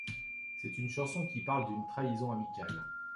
C'est une chanson qui parle d'une trahison amicale.